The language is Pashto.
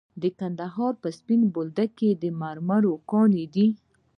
د کندهار په سپین بولدک کې د مرمرو کانونه دي.